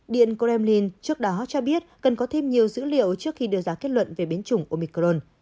điện kremlin trước đó cho biết cần có thêm nhiều dữ liệu trước khi đưa ra kết luận về biến chủng omicron